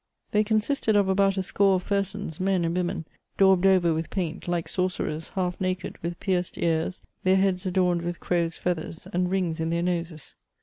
They consisted of about a score of persons, men and women, daubed over with paint, like sorcerers, half naked, with pierced ears, their heads adorned with crows' feathers, and rings in their noses.